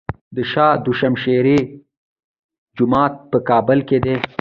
د شاه دوشمشیره جومات په کابل کې دی